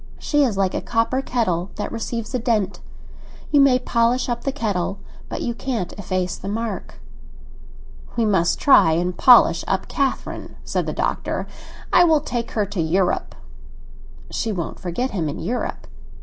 She is like a copper kettle that receives a dent; you may polish up the kettle, but you can't efface the mark." "We must try and polish up Catherine," said the Doctor. "I will take her to Europe." "She won't forget him in Europe."